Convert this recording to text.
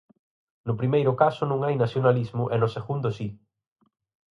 No primeiro caso non hai nacionalismo e no segundo si.